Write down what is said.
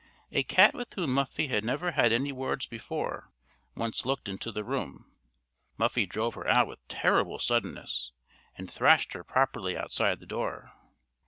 A cat with whom Muffie had never had any words before, once looked into the room, Muffie drove her out with terrible suddenness, and thrashed her properly outside the door.